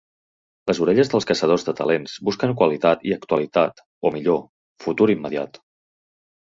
Les orelles dels caçadors de talents busquen qualitat i actualitat o, millor, futur immediat.